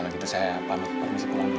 kalau gitu saya pamit permisi pulang dulu